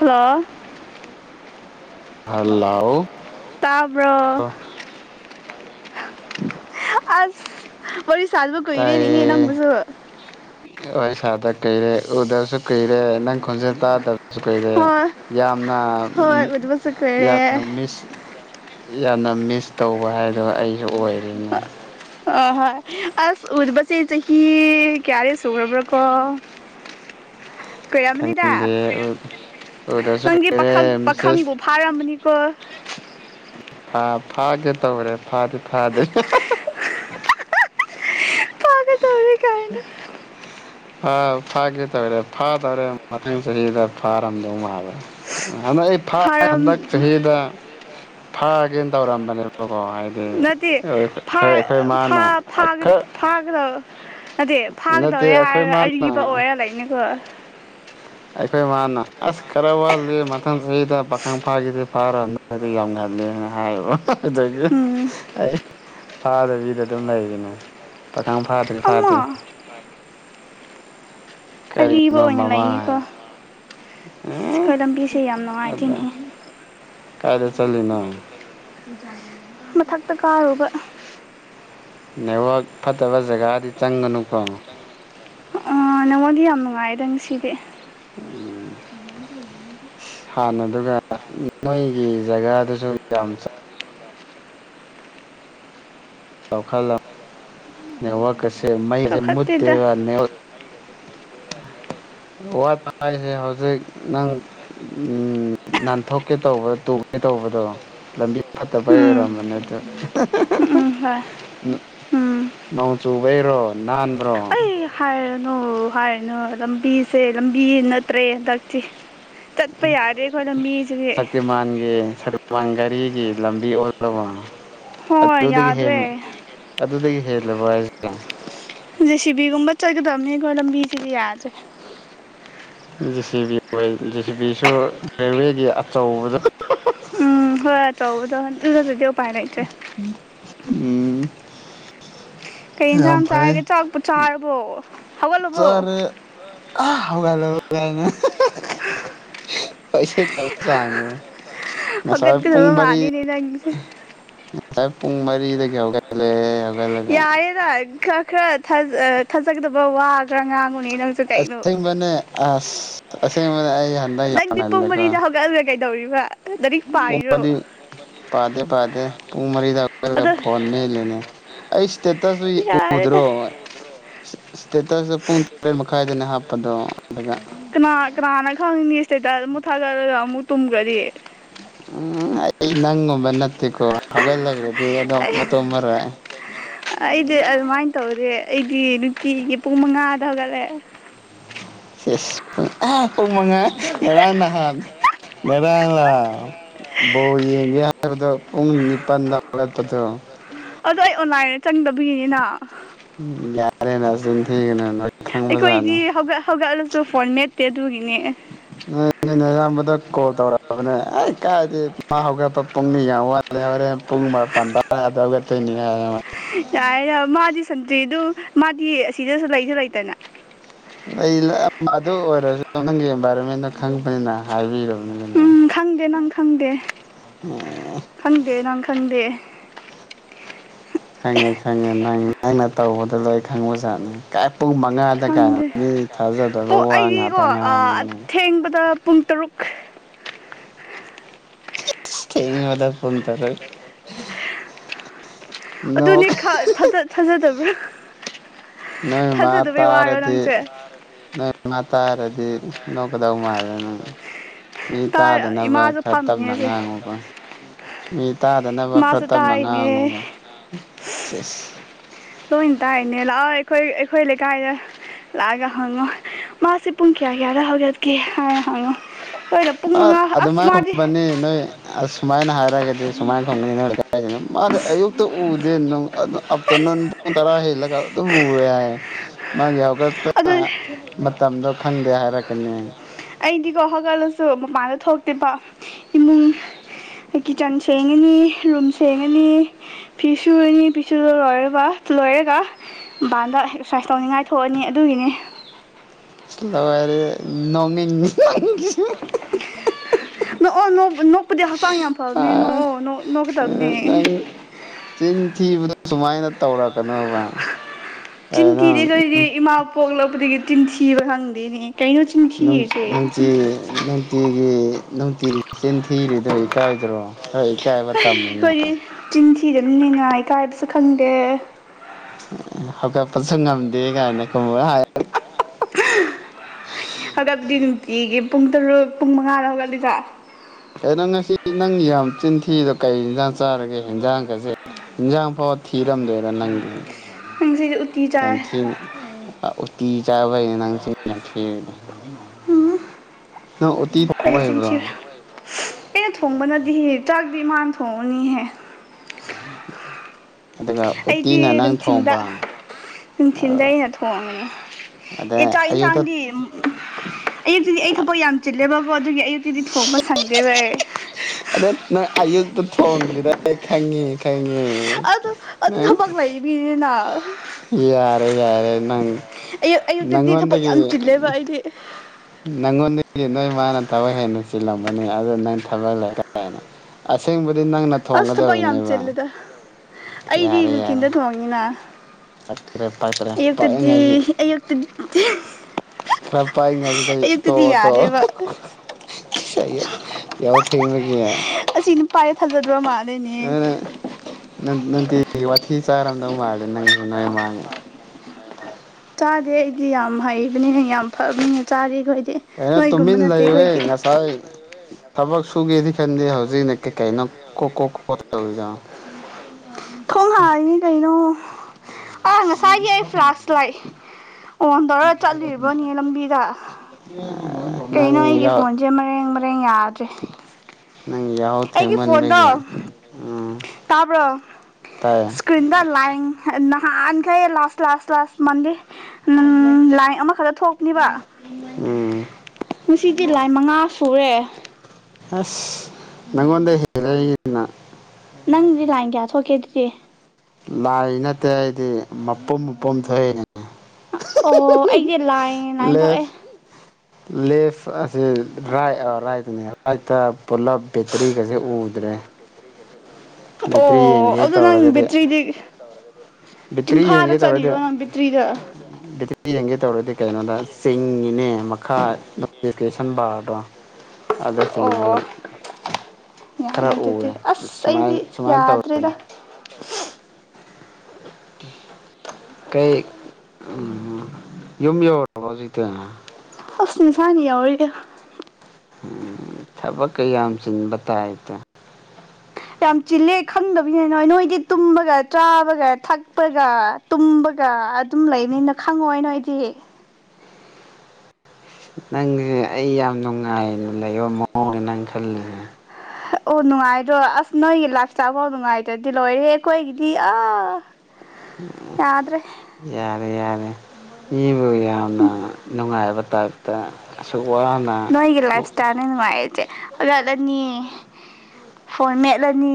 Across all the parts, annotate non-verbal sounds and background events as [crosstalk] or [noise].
Hello hello ꯇꯥꯕ꯭ꯔꯣ ꯑꯁ ꯋꯥꯔꯤ ꯁꯗꯕꯥ ꯀꯔꯦꯅ‌ꯦꯍ‌ꯦ ꯅꯪꯕꯨꯁꯨ ꯋꯔꯤ ꯁꯗꯥ ꯀꯨꯏꯔ‌ꯦ ꯎꯗꯕꯁꯨ ꯀꯨꯏꯔꯦ ꯅꯪ ꯈꯣꯟꯖꯦꯜ ꯇꯥꯗꯕ ꯁꯨ ꯀꯨꯏꯔꯦ ꯍꯣꯏ ꯌꯥꯝꯅ ꯍꯣꯏ ꯎꯗꯕꯁꯨ ꯌꯥꯝꯅ ꯀꯨꯏꯔꯦ ꯃꯤꯁ ꯌꯥꯝꯅ ꯃꯤꯁ ꯇꯧꯕ ꯍꯥꯏꯗꯣ ꯑꯩꯁꯨ ꯑꯣꯏꯔꯦꯅꯦ ꯍꯣꯢ ꯍꯣꯏ ꯑꯁ ꯎꯕꯁꯤ ꯆꯥꯍꯤ ꯀꯌꯥꯗꯤ ꯁꯨꯒ꯭ꯔꯕ ꯀꯣ ꯀꯣꯏꯔꯝꯃꯅꯤꯗ ꯈꯪꯗꯦ ꯎꯗꯕꯁꯨ ꯅꯪꯒꯤ ꯄꯥꯈꯪ ꯀꯨꯏꯔꯦ ꯃꯦꯁꯦꯁ ꯄꯥꯈꯪꯕꯨ ꯐꯥꯔꯝꯃꯅꯤꯀꯣ ꯐꯥꯒꯦ ꯇꯧꯔꯦ ꯐꯥꯗꯤ ꯐꯥꯗ꯭ꯔꯤ ꯐꯥꯒꯗꯧꯔꯦ ꯀꯥꯏꯅ ꯎꯝ [inaudible] ꯥ ꯐꯥꯒꯦ ꯇꯧꯔꯦ ꯐꯥ ꯗꯧꯔꯦ ꯃꯊꯪ ꯆꯍꯤꯗ ꯐꯥꯔꯝꯗꯧ ꯃꯥꯜꯂꯦ ꯍꯟꯗꯛ ꯑꯩꯥ ꯐꯥꯔꯝ ꯍꯟꯗꯛ ꯆꯍꯤꯗ ꯐꯥꯒꯦꯅ ꯇꯧꯔꯝꯕꯅꯦ ꯀꯣ ꯍꯥꯏꯗꯤ ꯅꯠꯇꯦ ꯐꯥ ꯑꯩꯈꯣꯏ ꯃꯥꯅ ꯈꯔ ꯍꯥꯏꯗꯤ ꯅꯠꯇꯦ ꯐꯥꯒꯗꯧꯔꯦ ꯑꯩꯈꯣꯏ ꯍꯥꯏꯔꯒ ꯃꯥꯅ ꯑꯔꯤꯕ ꯑꯣꯏꯔ ꯂꯩꯅꯤꯀꯣ ꯑꯩꯈꯣꯏ ꯃꯥꯅ ꯑꯁ ꯈꯔ ꯋꯥꯠꯂꯤ ꯃꯊꯪ ꯆꯍꯤꯗ ꯄꯥꯈꯪ ꯐꯥꯒꯦꯗꯤ ꯐꯥꯔꯣ ꯈꯔꯗꯤ ꯌꯥꯝ ꯉꯜꯂꯦꯅ ꯍꯥꯏꯌꯦꯕ ꯑꯗꯨ ꯎꯝ ꯑꯩ ꯐꯥꯗꯕꯤꯗ ꯑꯗꯨꯝ ꯂꯩꯔꯤꯅꯦ ꯄꯥꯈꯪ ꯐꯥꯗ꯭ꯔꯤ ꯑꯃ ꯐꯥꯗ꯭ꯔꯤ ꯑꯔꯤꯕ ꯀꯔꯤꯅꯣ ꯑꯣꯏꯅ ꯃꯃꯥꯏ ꯂꯩꯅꯤꯀꯣ ꯁꯤ ꯑꯝ ꯈꯣꯏ ꯂꯝꯕꯤꯁꯦ ꯌꯥꯝ ꯑꯗꯥ ꯅꯨꯡꯉꯥꯏꯇꯦꯅꯦꯍꯦ ꯀꯥꯏꯗ ꯆꯠꯂꯤꯅꯣ ꯃꯊꯛꯇ ꯀꯥꯔꯨꯕ ꯅꯦꯠꯋꯥꯛ ꯐꯠꯇꯕ ꯖꯒꯥꯗꯤ ꯆꯪꯒꯅꯨꯀꯣ ꯅꯦꯠꯋꯥꯛ ꯌꯥꯝ ꯅꯨꯡꯉꯥꯏꯌꯦꯗ ꯉꯁꯤꯗꯤ ꯎꯝ [inaudible] ꯍꯥꯟꯅ ꯑꯗꯨꯒ ꯅꯣꯏꯒꯤ ꯖꯒꯥꯗꯨꯁꯨ ꯌꯥꯝ ꯅꯦꯠꯋꯥꯛꯒꯁꯦ ꯃꯩꯁꯦ ꯆꯥꯎꯈꯠꯇꯦꯗ ꯃꯨꯠꯇꯦꯕ [unintelligible] ꯍꯧꯖꯤꯛ ꯍꯧꯖꯤꯛ ꯅꯪ ꯎꯝ ꯅꯥꯟꯊꯣꯛꯀꯦ ꯇꯧꯕꯗꯣ ꯇꯨꯀꯦ ꯇꯧꯕꯗꯣ ꯂꯝꯕꯤ ꯐꯠꯇꯕꯩ ꯎꯝ ꯑꯣꯏꯔꯝꯒꯅꯦ ꯑꯗꯨ ꯎꯝ ꯎꯝ ꯍꯣꯏ ꯎꯝ ꯅꯣꯡ ꯆꯨꯕꯩꯔꯣ ꯅꯥꯟꯕ꯭ꯔꯣ ꯍꯥꯏꯔꯅꯣ ꯍꯥꯏꯔꯅꯣ ꯂꯝꯕꯤꯁꯦ ꯂꯝꯕꯤ ꯅꯠꯇ꯭ꯔꯦ ꯍꯟꯗꯛꯇꯤ ꯇꯠꯄ ꯌꯥꯔꯦꯀꯣ ꯂꯝꯕꯤꯁꯤꯗꯤ ꯃꯥꯟꯒꯤ ꯍꯥꯢꯔꯛ ꯋꯥꯟ ꯒꯥꯔꯤꯒꯤ ꯂꯝꯕꯤ ꯑꯣꯜꯂꯕ ꯍꯣꯏ ꯑꯗꯨꯗꯒꯤ ꯌꯥꯗ꯭ꯔꯦ ꯍꯦꯟꯅ ꯑꯗꯨꯗꯒꯤ ꯍꯦꯜꯂꯦꯕ ꯍꯥꯏꯁꯦ ꯁꯤꯕꯤꯒꯨꯝꯕ ꯆꯠꯒꯗꯕꯅꯤ ꯀ ꯂꯝꯕꯤꯗꯤ ꯌꯥꯗ꯭ꯔꯦ ꯖꯦ ꯁꯤ ꯕꯤ ꯑꯣꯏ ꯖꯤ ꯁꯤ ꯕꯤꯁꯨ ꯔꯦꯜꯋꯦꯒꯤ ꯑꯆꯧꯕꯗꯣ [unintelligible] ꯎꯝ ꯍꯣꯏ ꯆꯥꯎꯧꯕꯗꯣ ꯑꯗꯨꯁꯨꯗꯤ ꯎꯄꯥꯏ ꯂꯩꯇ꯭ꯔꯦ ꯎꯝ ꯀꯩ ꯌꯥꯝ ꯌꯦꯟꯁꯥꯡ ꯐꯩ ꯆꯥꯔꯒꯦ ꯆꯥꯛꯄꯨ ꯆꯥꯔꯕꯣ ꯍꯧꯒꯠꯂꯕꯣ ꯆꯥꯔꯦ ꯗꯧꯒꯠꯂꯒ [unintelligible] ꯄꯩꯁꯦ ꯇ ꯆꯥꯡꯉꯦ [unintelligible] ꯍꯧꯒꯠꯀꯗꯕ ꯃꯥꯗꯦꯅꯦ ꯅꯪꯁꯦ ꯉꯁꯥꯏ ꯄꯨꯡ ꯃꯔꯤꯗꯒꯤ ꯍꯧꯒꯠꯂꯦ ꯍꯧꯒꯠꯂꯒ ꯌꯥꯔꯦꯗ ꯈꯔ ꯈꯔ ꯊꯥꯖꯒꯗꯕ ꯋꯥ ꯈꯔ ꯉꯥꯡꯉꯨꯅꯦ ꯀꯩꯅꯣ ꯑꯁꯦꯡꯕꯅꯦ ꯑꯁ ꯑꯁꯦꯡꯕꯅꯦ ꯑꯩ ꯍꯟꯗꯛ ꯌꯥꯝ ꯅꯪꯗꯤ ꯄꯨꯡ ꯉꯜꯂꯦꯀꯣ ꯃꯔꯤꯗ ꯍꯧꯒꯠꯂꯒ ꯀꯩꯗꯧꯔꯤꯕ ꯂꯥꯏꯔꯤꯛ ꯄꯨꯡ ꯄꯥꯔꯤꯔꯣ ꯃꯔꯤ ꯄꯥꯗꯦ ꯄꯥꯗꯦ ꯄꯨꯡ ꯃꯔꯤꯗ ꯍꯧꯒꯠꯂꯒ ꯑꯗꯣ ꯐꯣꯟ ꯃꯦꯠꯂꯤꯅꯦ ꯑꯩ ꯏꯁꯇꯦꯠꯇꯥꯁ ꯗꯨ ꯌꯥꯔꯦꯗ ꯎꯗ꯭ꯔꯣ ꯏꯁꯇꯦꯇꯁꯇ ꯄꯨꯡ ꯇꯔꯦꯠ ꯃꯈꯥꯏꯗꯅꯦ ꯍꯥꯞꯄꯗꯣ ꯑꯗꯨꯒ ꯀꯅꯥ ꯀꯅꯥꯅ ꯈꯪꯅꯤ ꯏꯁꯇꯦꯇꯁ ꯃꯨꯊꯠꯂꯒ ꯑꯃꯨꯛ ꯇꯨꯝꯈꯔꯗꯤ ꯎꯝ ꯑꯩ ꯅꯪꯒꯨꯝꯕ ꯅꯠꯇꯦꯀꯣ ꯍꯧꯒꯠꯂꯈ꯭ꯔꯗꯤ ꯑꯗꯨꯝ ꯃꯇꯣꯝ ꯇꯨꯝꯃꯔꯣꯏ ꯑꯩꯗꯤ ꯑꯗꯨꯃꯥꯏꯅ ꯇꯧꯗꯦ ꯑꯩꯗꯤ ꯅꯨꯡꯇꯤꯒꯤ ꯄꯨꯡ ꯃꯉꯥꯗ ꯍꯧꯒꯠꯂꯦ ꯁꯤꯁ ꯄꯨꯡ ꯃꯉꯥ ꯉꯔꯥꯡ ꯅꯍꯥꯟ [unintelligible] ꯕꯣꯜ ꯌꯦꯡꯒꯦ ꯍꯥꯏꯕꯗꯣ ꯄꯨꯡ ꯅꯤꯄꯥꯜꯗ ꯍꯧꯒꯠꯄꯗꯣ ꯑꯗꯣ ꯑꯩ ꯑꯣꯟꯂꯥꯏꯟꯗ ꯆꯪꯗꯕꯤꯒꯤꯅꯤꯅ ꯎꯝ ꯌꯥꯔꯦ ꯅꯆꯤꯟ ꯊꯤꯒꯅꯨ ꯈꯪꯕꯖꯥꯠꯅꯤ ꯑꯩꯈꯣꯏꯗꯤ ꯍꯧꯒꯠ ꯍꯧꯒꯠꯂꯁꯨ ꯐꯣꯟ ꯃꯦꯠꯇꯦ ꯑꯗꯨꯒꯤꯅꯦ ꯅꯣꯏ ꯅꯌꯥꯝꯕꯗ ꯀꯣꯜ ꯇꯧꯔꯛꯑꯕꯅꯦ ꯑꯩ ꯀꯥꯏꯗꯤ ꯃꯥ ꯍꯧꯒꯠꯄ ꯄꯨꯡꯗꯤ ꯌꯥꯝ ꯋꯥꯠ ꯍꯧꯔꯦꯟ ꯄꯨꯡ ꯃꯥꯄꯟ ꯇꯔꯥꯗ ꯍꯧꯒꯠꯇꯣꯏꯅꯤ ꯍꯥꯏꯌꯦ ꯃꯥ ꯌꯥꯔꯦ ꯃꯥꯗꯤ ꯁꯟꯗꯦꯗꯨ ꯃꯥꯗꯤ ꯑꯁꯤꯗꯁꯨ ꯂꯩꯁꯨ ꯂꯩꯇꯅ ꯂꯩ ꯑꯗꯨ ꯑꯣꯏꯔꯁꯨ ꯅꯪꯒꯤ ꯑꯦꯟꯚꯥꯏꯔꯣꯟꯃꯦꯟꯗꯣ ꯈꯪꯕꯅꯤꯅ ꯍꯥꯏꯕꯤꯔꯕꯅꯤ ꯑꯗꯨꯝꯅ ꯎꯝ ꯈꯪꯗꯦ ꯅꯪ ꯈꯪꯗꯦ ꯈꯪꯗꯦ ꯅꯪ ꯈꯪꯗꯦ ꯈꯪꯉꯦ ꯈꯪꯉꯦ ꯅꯪ ꯅꯪꯅ ꯇꯧꯕꯗꯣ ꯂꯣꯏ ꯈꯪꯕꯖꯥꯠꯅꯤ ꯀꯥꯏ ꯄꯨꯡ ꯃꯉꯥꯗꯒ ꯈꯪꯗꯦ [unintelligible] ꯊꯥꯖꯗꯕ ꯋꯥ ꯉꯥꯛꯇ ꯔꯥꯡꯉꯦꯅ ꯊꯦꯡꯕꯗ ꯄꯨꯡ ꯇꯔꯨꯛ ꯊꯦꯡꯕꯗ ꯄꯨꯡ ꯇꯔꯨꯛ ꯅꯣꯛ ꯑꯗꯨꯅꯦ ꯈ ꯊꯥ ꯊꯥꯖꯗꯕ꯭ꯔꯥ ꯅꯣꯏ ꯃꯥ ꯊꯥꯖꯗꯕꯩ ꯋꯥꯔꯣ ꯇꯥꯔꯗꯤ ꯅꯪꯁꯦ ꯅꯣꯏ ꯃꯅꯥ ꯇꯥꯔꯗꯤ ꯅꯣꯛꯀꯗꯧ ꯃꯥꯜꯂꯦ ꯅꯪ ꯃꯤ ꯇꯥꯗꯅꯕ ꯏꯃꯥꯁꯨ ꯈꯔ ꯇꯞꯅ ꯐꯝꯃꯤꯅꯦꯁꯦ ꯉꯥꯡꯉꯨꯀꯣ ꯃꯤ ꯇꯥꯗꯅꯕ ꯏꯃꯥꯁꯨ ꯈꯔ ꯇꯞꯅ ꯇꯥꯔꯤꯅꯦ ꯉꯥꯡꯉꯨꯕ ꯁꯦꯁ ꯂꯣꯏꯅ ꯇꯥꯏꯅꯦ ꯂꯥꯛꯑꯣ ꯑꯩꯈꯣꯏ ꯑꯩꯈꯣꯏ ꯂꯩꯀꯥꯏꯗ ꯂꯥꯛꯑꯒ ꯍꯪꯉꯣ ꯃꯥꯁꯤ ꯄꯨꯡ ꯀꯌꯥ ꯀꯌꯥꯗ ꯍꯧꯒꯠꯀꯦ ꯍꯥꯏꯅ ꯍꯪꯉꯣ ꯂꯣꯏꯅ ꯄꯨꯡ ꯑꯠ ꯃꯉꯥ ꯑꯁ ꯑꯗꯨꯃꯥꯏ ꯃꯥꯗꯤ ꯈꯨꯝꯕꯅꯤ ꯅꯣꯏ ꯑꯁ ꯁꯨꯃꯥꯏꯅ ꯍꯥꯏꯔꯒꯗꯤ ꯁꯨꯃꯥꯏꯅ ꯈꯨꯝꯒꯅꯤ ꯅꯣꯏ ꯂꯩꯀꯥꯏꯗ ꯃꯥꯗꯤ ꯑꯌꯨꯛꯇ ꯎꯗꯦ ꯅꯣꯏ ꯑꯗꯨ ꯑꯞꯇꯔꯅꯨꯟ ꯄꯨꯡ ꯇꯔꯥ ꯍꯦꯜꯂꯒ ꯑꯗꯨꯝ ꯎꯋꯦ ꯍꯥꯏꯌꯦ ꯃꯥꯒꯤ ꯑꯗꯨ ꯍꯧꯒꯠꯄꯅ ꯃꯇꯝꯗꯣ ꯈꯪꯗꯦ ꯍꯥꯏꯔꯛꯀꯅꯤ ꯑꯩꯗꯤꯀꯣ ꯍꯧꯒꯠꯂꯁꯨ ꯃꯄꯥꯟꯗ ꯊꯣꯛꯇꯦꯕ ꯏꯃꯨꯡ ꯑꯩ ꯀꯤꯠꯆꯟ ꯁꯦꯡꯉꯅꯤ ꯔꯨꯝ ꯁꯦꯡꯉꯅꯤ ꯐꯤ ꯁꯨꯔꯅꯤ ꯐꯤꯁꯨꯕ ꯂꯣꯏꯔꯕ ꯂꯣꯏꯔꯒ ꯃꯄꯥꯜꯗ ꯑꯦꯛꯁꯔꯁꯥꯏꯁ ꯇꯧꯅꯤꯡꯉꯥꯏ ꯊꯣꯛꯑꯅꯤ ꯑꯗꯨꯒꯤꯅꯤ ꯂꯋꯥꯏꯔꯦ [unintelligible] ꯅꯣꯛꯑꯣ ꯅꯣꯛ ꯅꯣꯛꯄꯗꯤ ꯍꯛꯆꯥꯡ ꯌꯥꯝ ꯐꯕꯅꯦ ꯅꯣꯛꯑꯣ ꯅꯣꯛꯀꯗꯕꯅꯦ ꯅꯪ ꯆꯤꯟ ꯊꯤꯕꯗꯣ ꯁꯨꯃꯥꯏꯅ ꯇꯧꯔꯛꯀꯅꯣꯕ ꯆꯤꯟ ꯊꯤꯗꯦ ꯀꯩꯅꯣ ꯑꯩꯈꯣꯏꯗꯤ ꯏꯃꯥ ꯄꯣꯛꯂꯛꯄꯗꯒꯤ ꯆꯤꯟꯊꯤꯕ ꯈꯪꯗꯦꯅꯦ ꯀꯩꯅꯣ ꯅꯨꯡ ꯆꯤꯟꯊꯤꯔꯤꯁꯦ ꯅꯨꯡꯇꯤ ꯑꯩꯈꯣꯏꯗꯤ ꯅꯨꯡꯇꯤꯒꯤ ꯅꯨꯡꯇꯤꯒꯤ ꯆꯤꯟꯊꯤꯔꯤꯗꯣ ꯏꯀꯥꯏꯗ꯭ꯔꯣ ꯈꯔ ꯏꯀꯥꯏꯕ ꯇꯝꯃꯨꯅꯦ ꯑꯩꯈꯣꯏꯗꯤ ꯆꯤꯟꯊꯤꯗꯕꯅꯤꯅ ꯏꯀꯥꯏꯕꯁꯨ ꯈꯪꯗꯦ ꯑ ꯍꯧꯒꯄꯠꯁꯨ ꯉꯝꯗꯦ ꯀꯥꯏꯅ ꯀꯨꯝꯕ ꯍꯥꯏ ꯍꯧꯒꯠꯄꯗꯤ ꯅꯨꯡꯇꯤꯒꯤ ꯄꯨꯡ ꯇꯔꯨꯛ ꯄꯨꯡ ꯃꯉꯥꯗ ꯍꯧꯒꯠꯂꯤꯗ ꯀꯩꯅꯪ ꯉꯁꯤ ꯅꯪ ꯌꯥꯝ ꯆꯤꯟꯊꯤꯗꯣ ꯀꯩ ꯌꯦꯟꯖꯥꯡ ꯆꯥꯔꯒꯦ ꯌꯦꯟꯖꯥꯡꯒꯁꯦ ꯏꯟꯁꯥꯡ ꯐꯥꯎꯕ ꯊꯤꯔꯝꯗꯣꯏꯔ ꯅꯪꯒꯤ ꯉꯁꯤꯗꯤ ꯎꯇꯤ ꯌꯥꯝ ꯆꯥꯏ ꯊꯤꯅ ꯑ ꯎꯇꯤ ꯆꯥꯕꯩꯅꯤ ꯅꯪ ꯆꯤꯟ ꯌꯥꯝ ꯊꯤꯔꯤꯗꯣ ꯅꯪ ꯎꯇꯤ [unintelligible] ꯊꯣꯡꯕ ꯍꯩꯕ꯭ꯔꯣ ꯑꯩꯅ ꯊꯣꯡꯕꯅꯗꯤ ꯆꯥꯛꯇꯤ ꯏꯃꯥꯅ ꯊꯣꯡꯉꯅꯤꯍꯦ ꯑꯗꯨꯒ ꯑꯩꯗꯤ ꯎꯇꯤꯅ ꯅꯪ ꯅꯨꯡꯊꯤꯟꯗ ꯊꯣꯡꯕ ꯍꯣꯡꯒꯅꯤ ꯑꯦ ꯑꯗꯩ ꯆꯥꯛ ꯑꯌꯨꯛꯇ ꯌꯦꯟꯁꯥꯡꯗꯤ ꯑꯌꯨꯛꯇꯨꯗꯤ ꯑꯩ ꯊꯕꯛ ꯌꯥꯝ ꯆꯤꯂꯦꯕꯀꯣ ꯑꯗꯨꯒꯤ ꯑꯌꯨꯛꯇꯨꯗꯤ ꯊꯣꯡꯕ ꯁꯪꯗꯦꯕ ꯑꯗꯨ ꯅꯪ ꯑꯌꯨꯛꯇ ꯊꯣꯡꯗ꯭ꯔꯤꯗꯣ ꯑꯩ ꯈꯪꯉꯤ ꯈꯪꯉꯦ ꯑꯗꯨ ꯑꯗꯨ ꯊꯕꯛ ꯂꯩꯕꯒꯤꯅꯤꯅ ꯌꯥꯔꯦ ꯌꯥꯔꯦ ꯅꯪ ꯑꯌꯨꯛ ꯑꯌꯨꯛꯇꯗꯤ ꯊꯕꯛ ꯌꯥꯝ ꯆꯤꯜꯂꯦꯕ ꯑꯩꯗꯤ ꯅꯪꯉꯣꯟꯗꯒꯤꯗꯤ ꯅꯣꯏ ꯃꯥꯅ ꯊꯕꯛ ꯍꯦꯟꯅ ꯆꯤꯜꯂꯝꯕꯅꯤ ꯑꯗꯨ ꯅꯪ ꯊꯕꯛ ꯂꯩ ꯑꯁꯦꯡꯕꯗꯤ ꯅꯪꯅ ꯑꯁ ꯊꯕꯛ ꯌꯥꯝ ꯊꯣꯡꯒꯗꯕꯅꯦꯕ ꯆꯤꯜꯂꯦꯗ ꯑꯩꯗꯤ ꯌꯥꯔꯦ ꯌꯥꯔꯦ ꯅꯨꯡꯊꯤꯟꯗ ꯊꯣꯡꯉꯤꯅ ꯄꯛꯇ꯭ꯔꯦ ꯄꯛꯇ꯭ꯔꯦ ꯄꯛꯏ ꯑꯌꯨꯛꯇꯗꯤ ꯉꯩꯁꯨ [unintelligible] ꯈꯔ ꯄꯛ ꯏꯉꯩ ꯁꯤꯗ ꯑꯩ ꯇꯣ ꯑꯌꯨꯛꯇꯗꯤ ꯇꯣ ꯌꯥꯗꯦꯕ ꯑꯁ ꯑꯩ ꯌꯥꯍꯧ ꯊꯦꯡꯕꯒꯤ ꯑꯁꯤ ꯅꯨꯄꯥꯥꯖꯦ ꯊꯥꯖꯗ꯭ꯔ ꯃꯥꯂꯦꯅꯦ ꯅꯪ ꯅꯡꯗꯤ ꯋꯥꯊꯤ ꯆꯥꯔꯝꯗꯧ ꯃꯥꯜꯗꯦ ꯅꯪꯒꯤꯁꯨ ꯅꯣꯏ ꯃꯥꯡꯉꯦ ꯆꯥꯗꯦ ꯑꯩꯗꯤ ꯌꯥꯝ ꯍꯩꯕꯅꯤꯅ ꯌꯥꯝ ꯐꯕꯅꯤꯅ ꯆꯥꯗꯦ ꯈꯣꯏꯗꯤ ꯀꯩꯅꯣ ꯇꯨꯃꯤꯟ ꯂꯩꯌꯨꯍꯦ ꯉꯁꯥꯏ ꯊꯕꯛ ꯁꯨꯒꯦꯗꯤ ꯈꯟꯗꯦ ꯍꯧꯖꯤꯛ ꯖꯤꯛꯅ ꯀꯩ ꯀꯩ ꯀꯩꯅꯣ ꯀꯣ ꯀꯣ ꯇꯧꯔꯤꯗꯣ ꯊꯣꯡ ꯍꯥꯥꯡꯉꯤꯅꯤ ꯀꯩꯅꯣ ꯑ ꯉꯁꯥꯏꯒꯤ ꯑꯩ ꯐ꯭ꯂꯥꯁ ꯂꯥꯏꯠ ꯑꯣꯟ ꯇꯧꯔ ꯆꯠꯂꯤꯔꯤꯕꯅꯤ ꯂꯝꯕꯤꯗ ꯀꯩꯅꯣ ꯅꯪ ꯑꯩꯒꯤ ꯌꯥꯎ ꯐꯣꯟꯁꯦ ꯖꯦ ꯃꯔꯦꯡ ꯃꯔꯦꯡ ꯌꯥꯗ꯭ꯔꯦ ꯅꯪ ꯌꯥꯍꯧ ꯑꯩꯒꯤ ꯐꯣꯟꯗꯣ ꯊꯦꯡꯃꯟꯕꯒꯤ ꯎꯝ ꯇꯥꯕ꯭ꯔꯣ ꯇꯥꯏ ꯏꯁꯀ꯭ꯔꯤꯟꯗ ꯂꯥꯏ ꯅꯍꯥꯟꯈꯩꯌꯦ ꯂꯥꯁ ꯂꯥꯁ ꯂꯥꯁ ꯃꯟꯗꯤ ꯎꯝ ꯉꯁꯤꯗꯤ ꯂꯥꯏꯟ ꯃꯉꯥ ꯁꯨꯔꯦ ꯑꯁ ꯅꯪꯉꯣꯟꯗꯩ [unintelligible] ꯅ ꯅꯪꯗꯤ ꯂꯥꯏꯟ ꯀꯌꯥ ꯊꯣꯛꯀꯦ ꯑꯗꯨꯗꯤ ꯂꯥꯏꯟ ꯅꯠꯇꯦ ꯑꯩꯗꯤ ꯃꯄꯨꯝ ꯃꯄꯨꯝ ꯊꯣꯛꯏꯅꯦ ꯑꯣ ꯑꯩꯗꯤ ꯂꯥꯏꯟ ꯂꯥꯏꯟ ꯊꯣꯛꯑꯦ ꯂꯦꯐ ꯂꯦꯐ ꯑꯁꯦ ꯔꯥꯏꯠ ꯔꯥꯏꯠꯇꯅꯦ ꯔꯥꯏꯠꯇ ꯄꯨꯂꯞ ꯕꯦꯇ꯭ꯔꯤꯒꯁꯦ ꯎꯗ꯭ꯔꯦ ꯕꯦꯛꯇ꯭ꯔꯤ ꯑꯣ ꯌꯦꯡꯒꯦ ꯑꯗꯨ ꯅꯪ ꯇꯧꯔꯒꯗꯤ ꯕꯦꯇ꯭ꯔꯤꯗꯤ ꯕꯦꯇ꯭ꯔꯤ ꯏꯝꯐꯥꯜꯗ ꯌꯦꯡꯒꯦ ꯇꯧꯔꯗꯤ ꯆꯠꯂꯤꯔꯣ ꯅꯪ ꯕꯦꯇ꯭ꯔꯤꯗ ꯌꯦꯡꯒꯦ ꯇꯧꯔꯗꯤ ꯀꯩꯅꯣꯗ ꯆꯤꯡꯉꯤꯅꯦ ꯃꯈꯥ ꯅꯣꯇꯐꯤꯀꯦꯁꯟ ꯕꯥꯔꯗꯣ ꯑꯗ ꯆꯤꯡꯉꯗꯤ ꯑꯣ ꯈꯔ ꯌꯥꯏꯅ ꯑꯗꯨꯗꯤ ꯎꯔꯦ ꯑꯁ ꯁꯨꯃꯥꯏ ꯑꯩꯗꯤ ꯁꯨꯃꯥꯏꯅ ꯇꯧ ꯌꯥꯗ꯭ꯔꯦꯗ ꯀꯩ ꯎꯝ ꯌꯨꯝ ꯌꯧꯔꯕꯣ ꯍꯧꯖꯤꯛꯇꯤ ꯑꯁ ꯉꯁꯥꯏꯅ ꯌꯧꯔꯦꯗ ꯎꯝ ꯊꯕꯛ ꯀ ꯌꯥꯝ ꯆꯤꯟꯕ ꯇꯥꯏꯞꯇ ꯌꯥꯝ ꯆꯤꯜꯂꯦ ꯈꯪꯗꯕꯅꯤ ꯅꯣꯏ ꯅꯣꯏꯗꯤ ꯇꯨꯝꯕꯒ ꯆꯥꯕꯒ ꯊꯛꯄꯒ ꯇꯨꯝꯕꯒ ꯑꯗꯨꯝ ꯂꯩꯅꯤꯅ ꯈꯪꯉꯣꯏ ꯅꯣꯏꯗꯤ ꯅꯪꯁꯦ ꯑꯩ ꯌꯥꯝ ꯅꯨꯡꯉꯥꯏꯅ ꯂꯩꯌꯣ ꯃꯑꯣꯡꯅꯦ ꯅꯪ ꯈꯜꯂꯤꯖꯦ [inaudible] ꯑꯣ ꯅꯨꯡꯉꯥꯏꯗꯣ ꯑꯁ ꯅꯣꯏꯒꯤ ꯂꯥꯏꯞ ꯏꯁꯇꯥꯏꯜꯐꯥꯎ ꯅꯨꯡꯉꯥꯏꯇ꯭ꯔꯗꯤ ꯂꯣꯏꯔꯦ ꯑꯩꯈꯣꯏꯒꯤꯗꯤ ꯑ ꯌꯥꯔꯦ ꯌꯥꯔꯦ ꯏꯕꯨ ꯌꯥ ꯌꯥꯝꯅ ꯅꯨꯡꯉꯥꯏꯕ ꯇꯥꯏꯞꯇ ꯑꯁꯨꯛ ꯋꯥꯅ ꯅꯪ ꯅꯨꯡꯉꯥꯏꯔꯤꯁꯦ ꯍꯧꯒꯠꯂꯅꯤ ꯐꯣꯟ ꯃꯦꯠꯂꯅꯤ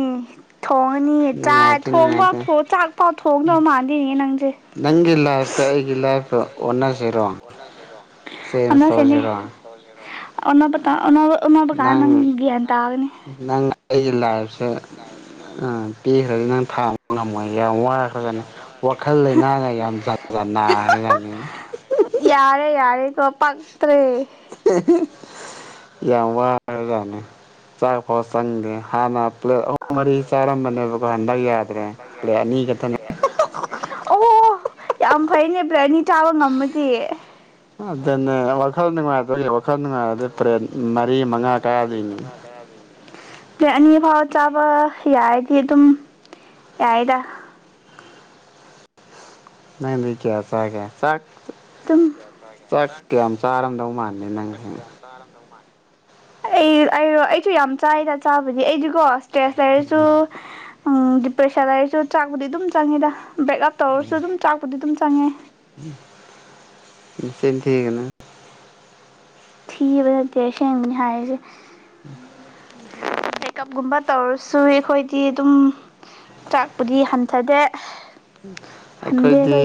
ꯊꯣꯡꯉꯅꯤ ꯆꯥꯏ ꯅꯨꯡꯉꯥꯏꯇꯦ ꯊꯣꯡꯐꯥꯎ ꯅꯨꯡꯉꯥꯏꯇꯦ ꯊꫭꯡ ꯆꯥꯛꯐꯥꯎ ꯊꯣꯡꯗꯧ ꯃꯥꯟꯗꯦꯅꯦ ꯅꯪꯁꯦ ꯅꯪꯒꯤ ꯂꯥꯏꯐꯀꯥ ꯑꯩꯒꯤ ꯂꯥꯏꯐꯀꯥ ꯂꯥꯏꯐꯀꯥ ꯑꫭꯟꯅꯈꯔꯗꫭ ꯆꯦꯟꯖ ꯑꯣꯟꯅꯁꯤꯅꯦ ꯇꯧꯁꯤꯔꯣ ꯑꫭꯟꯅꯕꯗꯥ ꯑꫭꯟꯅꯕ ꯑꫭꯟꯅꯕ ꯀꯥꯟ ꯅꯪ ꯒ꯭ꯌꯥꯟ ꯇꯥꯒꯅꯤ꯫ ꯅꯪ ꯑꯩꯒꯤ ꯂꯥꯏꯐꯁꯦ ꯑ ꯄꯤꯈ꯭ꯔꯥ ꯅꯪ ꯊꯥꯕ ꯉꯝꯃꯣꯏ ꯌꯥꯝ ꯋꯥ ꯐꯖꯅꯥ ꯋꯥꯈꯜ ꯂꯩꯅꯥꯒ ꯌꯥꯝ ꯖꯥꯠ ꯖꯥꯠ ꯅꯈꯔꯥ ꯖꯥꯠꯅꯤ ꯌꯥꯔꯦ ꯌꯥꯔꯦ ꯀꯣ ꯄꯥꯛꯇ꯭ꯔꯦ꯫ ꯌꯥꯝ ꯋꯥꯔꯥꯕ ꯖꯥꯠꯅꯤ ꯆꯥꯛ ꯐꯥꯎ ꯆꯪꯗꯦ ꯍꯥꯟꯅ ꯄ꯭ꯂꯦꯠ ꯑꯍꯨꯝ ꯃꯔꯤ ꯆꯥꯔꯝꯕꯅꯦꯕꯀꫭ ꯍꯟꯗꯥꯛ ꯌꯥꯗ꯭ꯔꯦ ꯄ꯭ꯂꯦꯠ ꯑꯅꯤꯒꯇꯥꯅꯦ ꯑꯣ ꯌꯥꯝ ꯐꯩꯅꯦ ꯄ꯭ꯂꯦꯠ ꯑꯅꯤ ꯆꯥꯕ ꯉꯝꯃꯥꯗꯤ ꯑꯥ ꯗꯅꯦ ꯋꯥꯈꯜ ꯅꯨꯡꯉꯥꯏꯇ꯭ꯔꯥꯗꯤ ꯋꯥꯈꯜ ꯅꯨꯡꯉꯥꯏꯔꯗꯤ ꯄ꯭ꯂꯦꯠ ꯃꯔꯤ ꯃꯉꯥ ꯀꯥꯗꯣꯏꯅꯤ꯫ ꯄ꯭ꯂꯦꯠ ꯑꯅꯤ ꯐꯥꯎ ꯆꯥꯕ ꯌꯥꯔꯗꯤ ꯑꯗꯨꯝ ꯌꯥꯏꯗ ꯅꯪꯗꯤ ꯀꯌꯥ ꯆꯥꯒꯦ ꯆꯥꯛ ꯆ ꯑꯗꯨꯝ ꯆꯥꯛ ꯀꯌꯥꯝ ꯆꯥꯔꯝꯗꯧ ꯃꯥꯟ ꯗꯦ ꯅꯪꯗꯤ ꯆꯥꯔꯝꯗꯧ ꯃꯥꯟꯗꯦ ꯅꯪꯗꯤ ꯑꯩ ꯑꯩꯔꯣ ꯑꯩꯁꯨ ꯌꯥꯝ ꯆꯥꯏꯗ ꯆꯥꯕꯗꯤ ꯑꯩꯗꯤꯀꯣ ꯁ꯭ꯇ꯭ꯔꯦꯁ ꯂꯩꯔꯁꯨ ꯗꯤꯄ꯭ꯔꯦꯁꯟ ꯂꯩꯔꯁꯨ ꯆꯥꯛꯕꯨꯗꯤ ꯑꯗꯨꯝ ꯆꯪꯉꯤꯗ ꯕ꯭ꯔꯦꯛꯑꯞ ꯇꯧꯔꯁꯨ ꯑꯗꯨꯝ ꯆꯥꯛꯄꯨꯗꯤ ꯑꯗꯨꯝ ꯆꯪꯉꯦ꯫ ꯅꯆꯤꯟ ꯊꯤꯒꯅꯨ ꯊꯤꯕ ꯅꯠꯇꯦ ꯑꯁꯦꯡꯕꯅꯤ ꯍꯥꯏꯁꯦ ꯎꯝ꯫ ꯃꯦꯀꯞꯒꯨꯝꯕ ꯇꯧꯔꯁꯨ ꯑꯩꯈꯣꯏꯗꯤ ꯑꯗꯨꯝ ꯆꯥꯛꯄꯨꯗꯤ ꯍꯟꯊꯥꯗꯦ ꯎꯝ ꯑꯩꯈꯣꯏꯗꯤ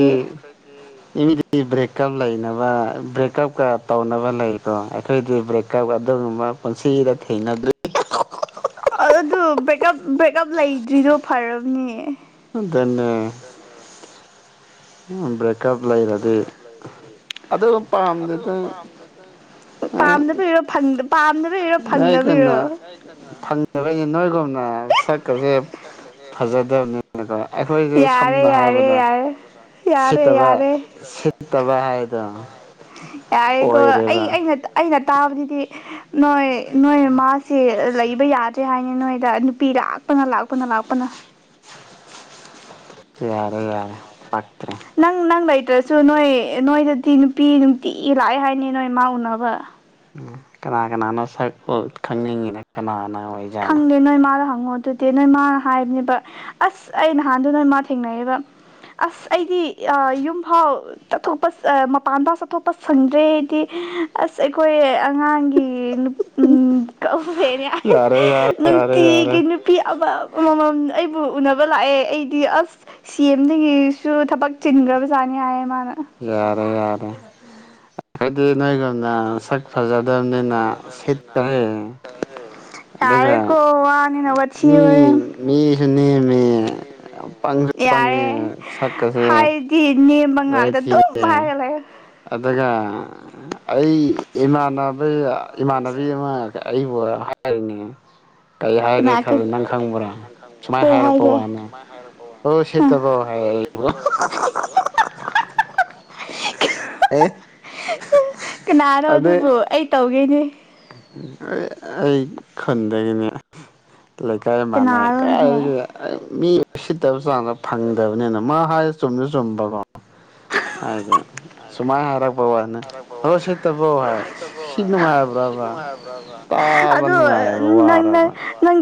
ꯗꯤ ꯏꯃꯤꯗꯤꯗꯤ ꯕ꯭ꯔꯦꯛꯀꯞ ꯂꯩꯅꯕ ꯕ꯭ꯔꯦꯛꯀꯞꯀ ꯇꯧꯅꯕ ꯂꯩꯀꯣ ꯑꯩꯈꯣꯏꯗꯤ ꯕ꯭ꯔꯦꯛꯀꯞ ꯑꯗꯨꯒꯨꯝꯕ ꯄꯨꯟꯁꯤꯗ ꯊꯦꯡꯅꯗ꯭ꯔꯤ [inaudible] ꯑꯗꯨ ꯕ꯭ꯔꯦꯛꯑꯞ ꯕ꯭ꯔꯦꯛꯑꯞ ꯂꯩꯗ꯭ꯔꯤꯗꯣ ꯐꯥꯔꯕꯅꯦ ꯑꯗꯨꯅꯦ ꯑꯗꯥ ꯑꯗꯥ ꯆꯠꯂꯒꯗꯤ ꯑꯗꯨ ꯑꯗꯨ ꯄꯥꯝꯗꯦꯗ ꯄꯥꯝꯗꯗꯅ ꯄꯥꯝꯗꯕꯩꯔꯣ ꯐꯪꯗ ꯄꯥꯝꯗꯕꯩꯔꯣ ꯐꯪꯗꯕꯩꯔꯣ ꯑꯩꯅ ꯅꯣꯏꯒꯨꯝ ꯑꯥ ꯁꯛꯀꯁꯦ ꯐꯖꯗꯕꯅꯤꯅ ꯀꫭ ꯑꯩꯈꯣꯏꯁꯦ ꯌꯥꯔꯦ ꯁꯝꯅ ꯌꯥꯔꯦ ꯍꯥꯏꯔꯕꯗ ꯌꯥꯔꯦ ꯌꯥꯔꯦ ꯁꯤꯠꯇꯕ ꯌꯥꯔꯦ ꯁꯤꯠꯇꯕ ꯍꯥꯏꯗꯣ ꯌꯥꯔꯦꯀꯣ ꯑꯩ ꯑꯣꯏꯔꯦꯕ ꯑꯩꯅ ꯇꯥ ꯑꯩꯅ ꯇꯥꯕꯗꯗꯤ ꯅꯣꯏ ꯅꯣꯏ ꯃꯥꯁꯦ ꯂꯩꯕ ꯌꯥꯗ꯭ꯔꯦ ꯍꯥꯏꯅꯦ ꯅꯣꯏꯗ ꯅꯨꯞ ꯄꯤ ꯂꯥꯛꯄꯅ ꯂꯥꯛꯄꯅ ꯂꯥꯛꯄꯅ ꯌꯥꯔꯦ ꯌꯥꯔꯦ ꯄꯥꯛꯇ꯭ꯔꯦ ꯅꯪ ꯅꯪ ꯂꯩꯇ꯭ꯔꯁꯨ ꯅꯣꯏ ꯅꯣꯏꯗꯗꯤ ꯅꯨꯄꯤ ꯅꯨꯡꯇꯤꯒꯤ ꯂꯥꯛꯑꯦ ꯍꯥꯏꯅꯤ ꯅꯣꯏ ꯃꯥ ꯎꯅꯕ ꯑꫭ ꯀꯅꯥ ꯀꯅꯥꯅꯣ ꯁꯛ ꯑꫭ ꯈꯪꯅꯤꯡꯉꯤꯅ ꯀꯅꯥꯅ ꯑꯣꯏ ꯈꯪꯗꯦ ꯅꯣꯏ ꯃꯥꯗ ꯍꯪꯉꯣ ꯑꯗꯨ ꯗꯦ ꯅꯣꯏꯃꯥꯅ ꯍꯥꯏꯕꯅꯦꯕ ꯑꯁ ꯑꯩ ꯅꯍꯥꯟꯗꯣ ꯅꯣꯏꯃꯥ ꯊꯦꯡꯅꯩꯑꯦꯕ ꯑꯁ ꯑꯩꯗꯤ ꯌꯨꯝꯐꯥꯎ꯫ ꯆꯠꯊꯣꯛꯄ ꯃꯄꯥꯟꯗ ꯆꯠꯊꯣꯛꯄ ꯁꯪꯗ꯭ꯔꯦ ꯑꯩꯏꯗꯤ ꯑꯁ ꯑꯩꯈꯣꯏ ꯉꯥꯡꯒꯤ ꯎꯝ ꯀ ꯐꯦꯔ ꯌꯥꯔꯦ ꯌꯥꯔꯦ ꯌꯥꯔꯦ ꯅꯨꯡꯇꯤꯒꯤ ꯌꯥꯔꯦ ꯅꯨꯞ ꯄꯤ ꯑꯃ ꯑꯃꯃꯝ ꯑꯩꯕꯨ ꯎꯅꯕ ꯂꯥꯛꯑꯦ ꯑꯩꯗꯤ ꯑꯁ ꯁꯤ ꯑꯦꯝꯗꯒꯤꯁꯨ ꯊꯕꯛ ꯆꯤꯟꯈ꯭ꯔꯕꯖꯥꯅꯤ ꯍꯥꯏꯌꯦ ꯃꯥꯅ꯫ ꯌꯥꯔꯦ ꯌꯥꯔꯦ ꯑꯩꯈꯩꯗꯤꯅꯥꯒ ꯁꯛ ꯐꯖꯗꯕꯅꯤꯅ ꯁꯤꯠꯇꯔꯦ꯫ ꯑꯗꯨꯒ ꯌꯥꯔꯦꯀꯣ ꯋꯥꯅꯤꯅ ꯋꯥꯊꯤ ꯃꯤ ꯋꯥꯔꯦꯝ ꯃꯤꯁꯨ ꯅꯦꯝꯃꯦ ꯄꯥꯡꯁꯨ ꯄꯥꯡꯉꯦ ꯌꯥꯔꯦ ꯁꯥꯛ ꯀꯁꯦ ꯍꯥꯏꯗꯤ ꯅꯦꯝꯕ ꯂꯣꯏ ꯉꯥꯛꯇ ꯑꯗꯨꯝ ꯊꯤꯔꯦ ꯍꯥꯏꯔ ꯂꯩꯌꯣ ꯑꯗꯨꯒ ꯑꯩ ꯏꯃꯥꯟꯅꯕ [unintelligible] ꯏꯃꯥꯟꯅꯕꯤ ꯑꯃ ꯑꯩꯕꯨ ꯍꯥꯏꯔꯤꯅꯦ ꯀꯔꯤ ꯍꯥꯏꯒꯦ ꯀꯅꯥ ꯀꯩ ꯈꯥꯜ ꯅꯪ ꯈꯪꯕ꯭ꯔꯥ ꯁꯨꯃꯥꯏꯅ ꯀꯩ ꯍꯥꯏꯔꯛꯄ ꯍꯥꯏꯒꯦ ꯋꯥꯅꯦ꯫ ꯑꯣ ꯁꯤ ꯑ ꯇꯕꯣ ꯍꯥꯏ ꯑꯦ ꯀꯅꯥꯅꯣ ꯑꯗꯩ ꯑꯗꯨꯕꯨ ꯑꯩ ꯇꯧꯒꯦꯅꯦ ꯑꯩ ꯈꯨꯟꯗꯒꯤꯅꯦ ꯂꯩꯀꯥꯏ ꯃꯥꯟꯅꯩ ꯀꯅꯥꯔꯣꯅꯦꯍꯦ ꯀꯥꯏꯗꯒꯤ ꯃꯤ ꯁꯤꯠꯇꯕ ꯆꯥꯡꯗꯣ ꯐꯪꯗꯕꯅꯤꯅ ꯃꯥ ꯍꯥꯏ ꯆꯨꯝꯁꯨ ꯆꯨꯝꯕ ꯀꯣ ꯍꯥꯏꯗꯤ ꯁꯨꯃꯥꯏꯅ ꯍꯥꯏꯔꯛ ꯕꯥꯕꯅ ꯍꯣ ꯁꯤꯇꯕꯧ ꯍꯥꯏ ꯁꯤ ꯅꯨꯡꯉꯥꯏꯕ꯭ꯔꯕ ꯅꯨꯡꯉꯥꯏꯕꯔꯕ ꯇꯥꯕ ꯑꯗꯣ ꯅꯨꯡꯉꯥꯏꯕ ꯅꯪ ꯅꯪ ꯋꯥꯔꯕ ꯅꯪ